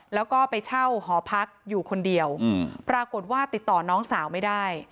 แล้วก็ไปเช่าหอพักอยู่คนเดียวปรากฏว่าติดต่อน้องสาวไม่ได้